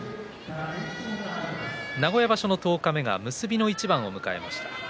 名古屋場所の十日目が結びの一番を迎えました。